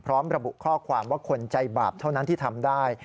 พร้อมระบุข้อความว่าคนใจบาปเท่านั้นที่ทำได้